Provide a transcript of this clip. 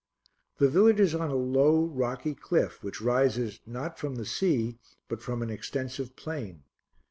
The village is on a low rocky cliff which rises not from the sea but from an extensive plain.